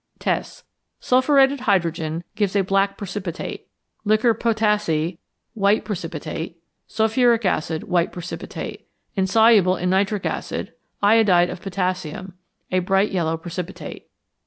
Tests. Sulphuretted hydrogen gives a black precipitate; liquor potassæ, white precipitate; sulphuric acid, white precipitate, insoluble in nitric acid; iodide of potassium, a bright yellow precipitate.